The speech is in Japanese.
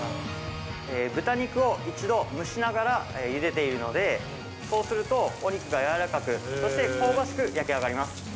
豚肉を一度蒸しながら、ゆでているので、そうすると、お肉が柔らかく、そして香ばしく焼き上がります。